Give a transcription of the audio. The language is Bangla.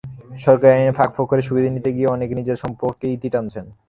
সরকারি আইনের ফাঁকফোকরের সুবিধা নিতে গিয়ে অনেকে নিজেদের সম্পর্কের ইতি টানছেন।